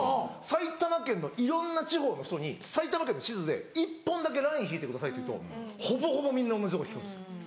埼玉県のいろんな地方の人に埼玉県の地図で１本だけライン引いてくださいって言うとほぼほぼみんな同じとこ引くんです。